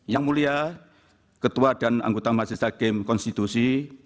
yang mulia ketua dan anggota majelis hakim konstitusi